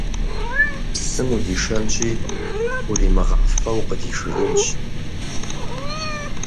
Псым удишэнщи, уримыгъафэу укъыдишыжынщ.